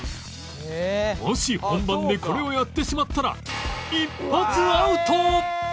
もし本番でこれをやってしまったら